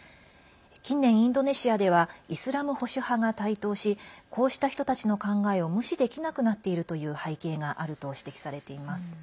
近年、インドネシアではイスラム保守派が台頭しこうした人たちの考えを無視できなくなっているという背景があると指摘されています。